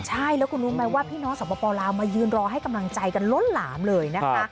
ใช่แล้วคุณรู้ไหมว่าพี่น้องสปลาวมายืนรอให้กำลังใจกันล้นหลามเลยนะคะ